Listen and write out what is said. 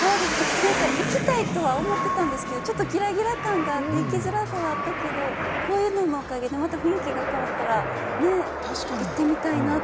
行きたいと思ったんですけど、ちょっとギラギラ感があって行きづらくはあったけど、こういうののおかげで雰囲気が変わったら、行ってみたいなぁと。